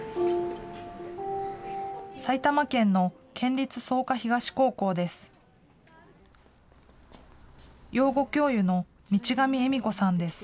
埼玉県の県立草加東高校です。